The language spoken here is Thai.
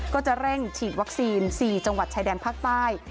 ก็จะเร่งฉีดวัคซีน๔จังหวัดชายแดนภาคใต้